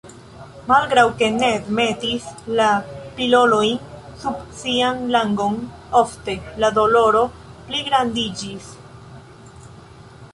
Malgraŭ ke Ned metis la pilolojn sub sian langon ofte, la doloro pligrandiĝis.